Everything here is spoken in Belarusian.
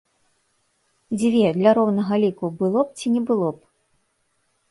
Дзве, для роўнага ліку, было б ці не было б?